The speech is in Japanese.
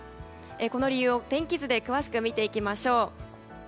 この理由を天気図で詳しく見ていきましょう。